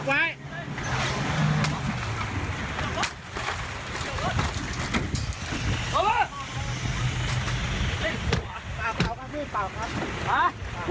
ป่าวข้างนี้ป่าวครับ